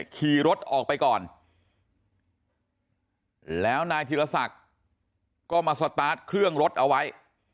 ขี่รถออกไปก่อนแล้วนายธีรศักดิ์ก็มาสตาร์ทเครื่องรถเอาไว้